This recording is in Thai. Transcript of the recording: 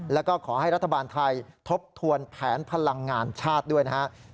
แล้วก็ขอให้รัฐบาลไทยทบทวนแผนพลังงานชาติด้วยนะครับ